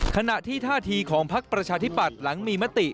ขณะที่ท่าทีของพักประชาธิปัตย์หลังมีมติ